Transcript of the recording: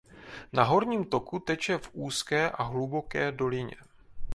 Na horním toku teče v úzké a hluboké dolině.